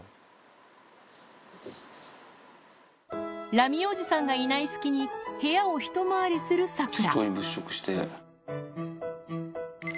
ラミおじさんがいない隙に、部屋を一回りするサクラ。